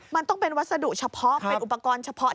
มันต้องเป็นวัสดุเฉพาะเป็นอุปกรณ์เฉพาะ